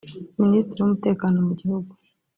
Ministiri w’umutekano mu gihugu